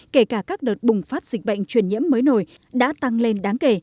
kể cả các đợt bùng phát dịch bệnh truyền nhiễm mới nổi đã tăng lên đáng kể